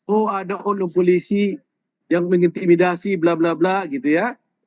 oh ada onum polisi yang mengintimidasi bla bla bla gitu ya